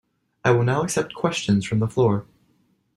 I will now accept questions from the floor.